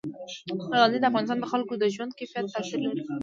غزني د افغانستان د خلکو د ژوند په کیفیت تاثیر لري.